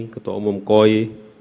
ketua umum koi